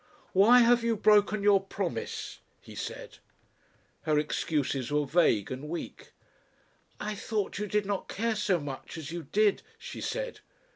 "Why have you broken your promise?" he said. Her excuses were vague and weak. "I thought you did not care so much as you did," she said.